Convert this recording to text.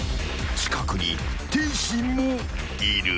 ［近くに天心もいる］